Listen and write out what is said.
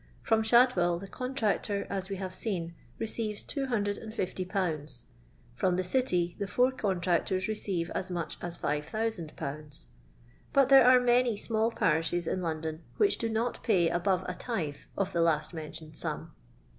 From Shadwell the contractor, as we haTe seen, receives 250/. ; from the city the four contractors receive as much as 5000^ ; but there are many small parishes in London which do not pay above a tithe of the last mentioned sum.